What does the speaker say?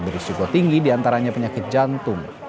berisiko tinggi diantaranya penyakit jantung